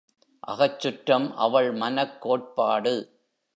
அகச்சுற்றம் அவள் மனக் கோட்பாடு.